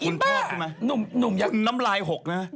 นุ่มนุ่มอย่างน้ำลายหกนะ